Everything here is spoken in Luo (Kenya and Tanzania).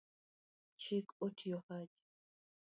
chik otiyo Haji